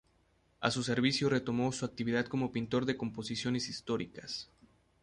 A su servicio retomó su actividad como pintor de composiciones históricas.